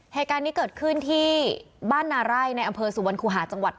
แฮการนี้เกิดขึ้นที่บ้านนารัยในอำเภอสุวรรค์คูหาจังหวัดนน